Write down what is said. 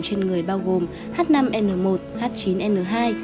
trên người bao gồm h năm n một h chín n hai